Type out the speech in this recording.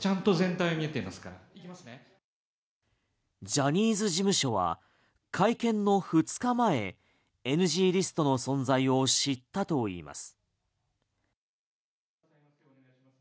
ジャニーズ事務所は会見の２日前ＮＧリストの存在を知ったといいます。